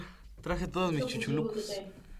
আমি সব বুঝিয়ে বলতে চাই।